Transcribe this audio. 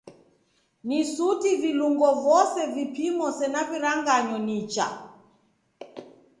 Ni suti vilungo vose vipimo sena viranganyo nicha.